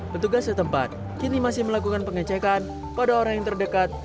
petugas setempat kini masih melakukan pengecekan pada orang yang terdekat